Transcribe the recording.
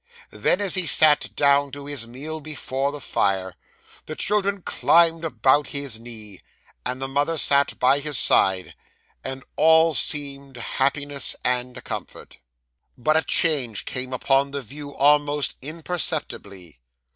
Then, as he sat down to his meal before the fire, the children climbed about his knee, and the mother sat by his side, and all seemed happiness and comfort. 'But a change came upon the view, almost imperceptibly.